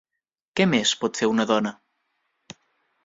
Què més pot fer una dona?